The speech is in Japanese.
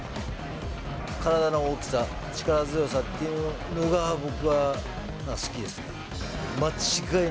体の大きさ、力強さっていうのが、僕は好きですね。